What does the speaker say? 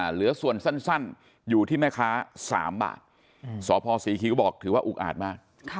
เหลือส่วนสั้นอยู่ที่แม่ค้า๓บาทสพศรีคิวบอกถือว่าอุกอาดมาก